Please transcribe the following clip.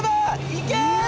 いけ！